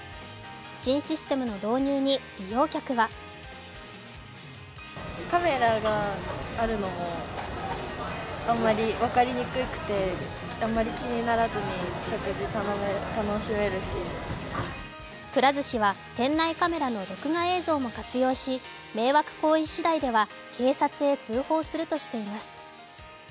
新システムの導入に、利用客はくら寿司は店内カメラの録画映像も活用し迷惑行為しだいでは、警察へ通報するとしています。